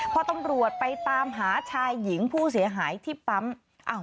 พอตำรวจไปตามหาชายหญิงผู้เสียหายที่ปั๊ม